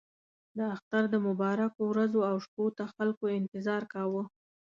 د اختر د مبارکو ورځو او شپو ته خلکو انتظار کاوه.